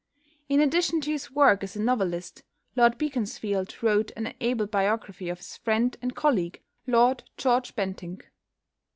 In addition to his work as a novelist, Lord Beaconsfield wrote an able biography of his friend and colleague, Lord George Bentinck.